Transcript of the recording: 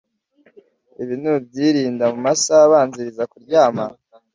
Ibi nubyirinda mu masaha abanziriza kuryama,